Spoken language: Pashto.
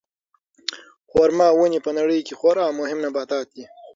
خورما ونې په نړۍ کې خورا مهم نباتات دي.